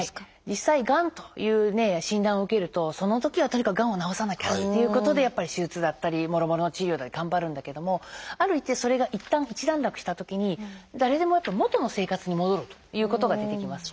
実際がんという診断を受けるとそのときはとにかくがんを治さなきゃっていうことでやっぱり手術だったりもろもろの治療だったり頑張るんだけどもある一定それがいったん一段落したときに誰でもやっぱり元の生活に戻るということが出てきます。